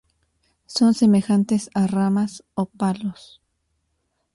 Son semejantes a ramas o palos.